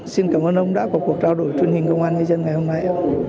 xin cảm ơn ông đã có cuộc trao đổi truyền hình công an nhân dân ngày hôm nay